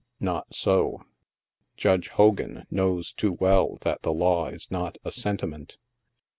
Not so ; Judge Hogan knows too well that the law is not a sentiment.